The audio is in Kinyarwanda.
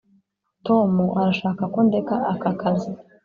tom arashaka ko ndeka aka kazi.